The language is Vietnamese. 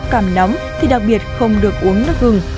nếu bị cảm nắng thì đặc biệt không được uống nước gừng